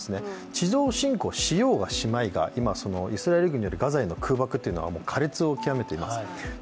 地上侵攻しようがしまいが、今イスラエル軍によるガザ侵攻というのは苛烈を極めています。